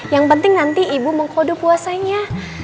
yang penting nanti ibu mengkodo puasanya